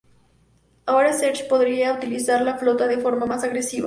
Ahora Scheer podría utilizar la flota de forma más agresiva.